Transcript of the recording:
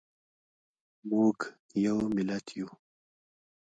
موږ یو ملت یو.